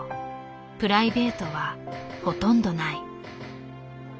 プライベートはほとんどない。